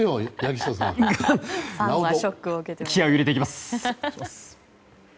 気合を入れていきます！